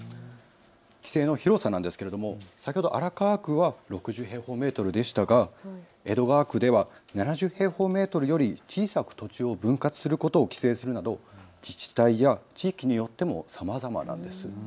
規制の広さなんですが先ほど荒川区は６０平方メートルでしたが、江戸川区では７０平方メートルより小さく土地を分割することを規制するなど自治体や地域によってもさまざまなんです。